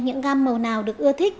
những gam màu nào được ưa thích